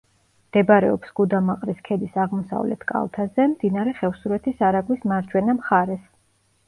მდებარეობს გუდამაყრის ქედის აღმოსავლეთ კალთაზე, მდინარე ხევსურეთის არაგვის მარჯვენა მხარეს.